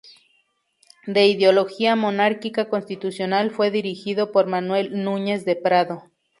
De ideología monárquica constitucional, fue dirigido por Manuel Núñez de Prado.